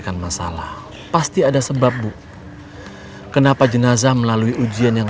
sampai sampai aku tuh gak abisnya kuliah tau